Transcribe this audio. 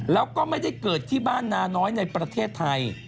แล้วก็ไม่ได้เกิดที่บ้านนาน้อยในประเทศไทย